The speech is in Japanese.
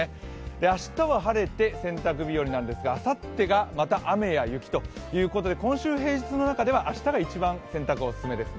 明日は晴れて洗濯日和なんですがあさってがまた雨や雪ということでして、今週平日の中では明日が一番洗濯はオススメですね。